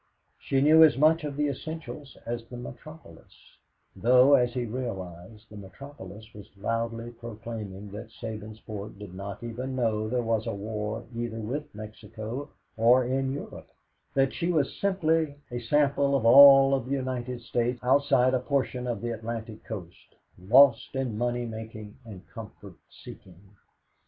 She knew as much of the essentials as the metropolis, though, as he realized, the metropolis was loudly proclaiming that Sabinsport did not even know there was a war either with Mexico or in Europe; that she was simply a sample of all of the United States outside of a portion of the Atlantic Coast, lost in money making and comfort seeking.